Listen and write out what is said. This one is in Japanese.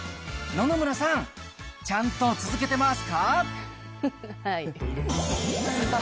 野々村さん、ちゃんと続けてますか。